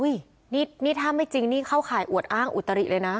นี่ถ้าไม่จริงนี่เข้าข่ายอวดอ้างอุตริเลยนะ